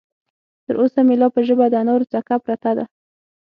تر اوسه مې لا په ژبه د انارو څکه پرته ده.